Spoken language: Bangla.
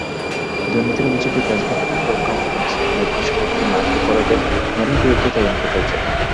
দুর্নীতির অভিযোগে ব্রাজিলিয়ান ফুটবল কনফেডারেশনের সভাপতি মার্কো পোলো দেল নেরোর বিরুদ্ধে তদন্ত চলছে।